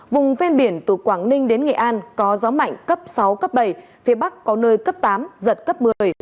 vùng ven biển từ quảng ninh đến nghệ an có gió mạnh cấp sáu cấp bảy phía bắc có nơi cấp tám giật cấp một mươi